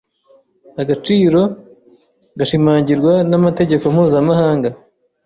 Agaciro gashimangirwa n’amategeko mpuzamahanga